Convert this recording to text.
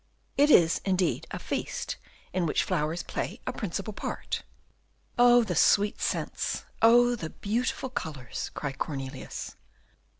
"It is, indeed, a feast in which flowers play a principal part." "Oh, the sweet scents! oh, the beautiful colours!" cried Cornelius.